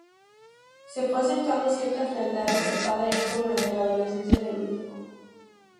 Se fue acentuando cierta frialdad entre padre e hijo durante la adolescencia del último.